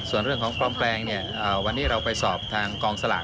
ส่วนเรื่องของปลอมแปลงเนี่ยวันนี้เราไปสอบทางกองสลาก